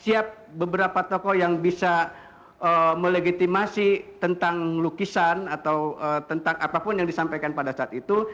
siap beberapa tokoh yang bisa melegitimasi tentang lukisan atau tentang apapun yang disampaikan pada saat itu